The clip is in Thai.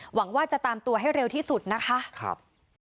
หวังว่าจะตามตัวให้เร็วที่สุดนะคะครับ